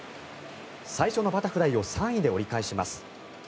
最初のバタフライを３位で折り返します。